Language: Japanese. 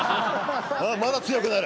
まだ強くなる。